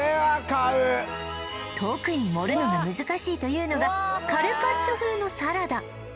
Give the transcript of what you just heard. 特に盛るのが難しいというのがカルパッチョ風のサラダ